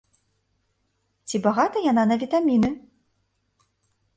Ці багата яна на вітаміны?